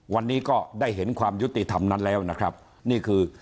วันนี้ก็ได้เห็นความยุติธรรมนั้นแล้วนะครับนี่คือ